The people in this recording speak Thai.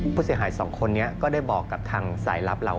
ผู้เสียหายสองคนนี้ก็ได้บอกกับทางสายลับเรา